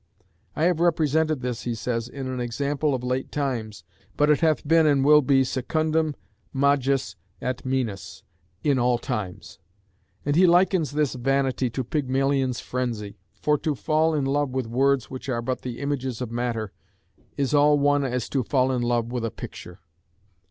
"I have represented this," he says, "in an example of late times, but it hath been and will be secundum majus et minus in all times;" and he likens this "vanity" to "Pygmalion's frenzy" "for to fall in love with words which are but the images of matter, is all one as to fall in love with a picture."